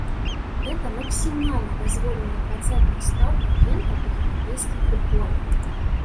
Гэта максімальна дазволеная працэнтная стаўка агента ў еўрапейскім футболе.